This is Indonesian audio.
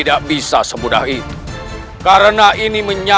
kamu bisa kembali ke istana